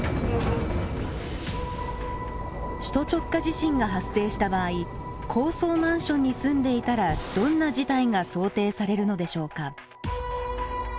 首都直下地震が発生した場合高層マンションに住んでいたらどんな事態が想定されるのでしょうか。